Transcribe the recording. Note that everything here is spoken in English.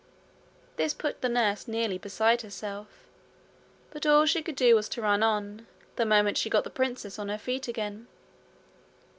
This put the nurse nearly beside herself; but all she could do was to run on, the moment she got the princess on her feet again.